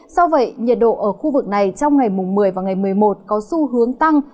do vậy nhiệt độ ở khu vực này trong ngày mùng một mươi và ngày một mươi một có xu hướng tăng